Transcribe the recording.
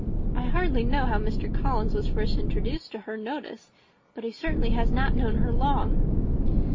I hardly know how Mr. Collins was first introduced to her notice, but he certainly has not known her long."